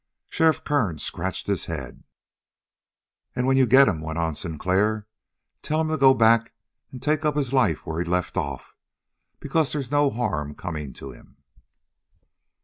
Sheriff Kern scratched his head. "And when you get him," went on Sinclair, "tell him to go back and take up his life where he left off, because they's no harm coming to him."